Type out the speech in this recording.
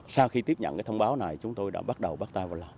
sau khi tiếp nhận thông báo này chúng tôi đã bắt đầu bắt tay vào làm